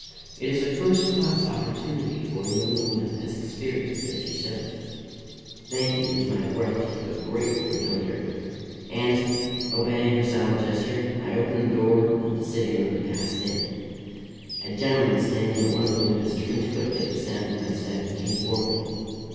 It is a first class opportunity for a young woman as experienced as yourself." "Thank you," was my abrupt but grateful rejoinder; and, obeying her silent gesture, I opened the door of the sitting room and passed in. A gentleman standing at one of the windows turned quickly at the sound of my step and came forward.